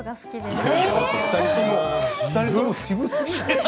私は２人とも渋すぎない？